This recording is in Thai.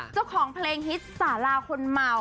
เจ้าของเพลงฮิตสาราคนเมา